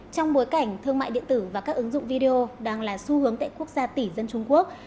trong bối cảnh thương mại điện tử và các ứng dụng video đang là xu hướng tại quốc gia tỷ dân trung quốc